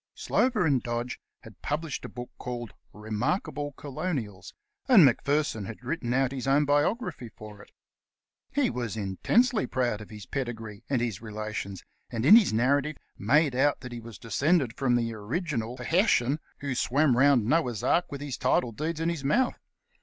Sloper and Dodge had published a book called "Remark able Colonials," and Macpherson had written out his own biography for it. He was intensely proud of his pedigree and his relations, and in his narrative made out that he was descended from the original Fhairshon who swam round Noah's Ark with his title deeds in his teeth.